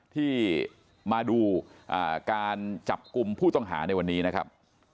ที่มาดูการจับกลุ่มผู้ต้องหาในวันนี้นะครับ